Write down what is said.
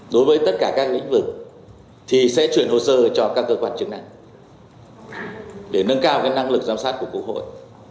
đối với tất cả các lĩnh vực thì sẽ chuyển hồ sơ cho các cơ quan chức năng để nâng cao năng lực giám sát của quốc hội